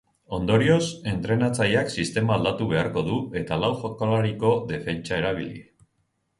Ondorioz, entrenatzaileak sistema aldatu beharko du eta lau jokalariko defentsa erabili.